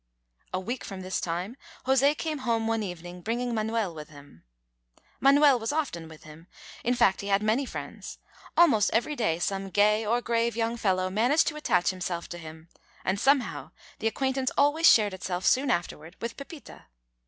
A week from this time José came home one evening bringing Manuel with him. Manuel was often with him in fact he had many friends; almost every day some gay or grave young fellow managed to attach himself to him, and somehow the acquaintance always shared itself soon afterward with Pepita.